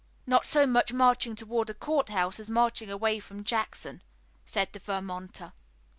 "Not so much marching toward a court house as marching away from Jackson," said the Vermonter.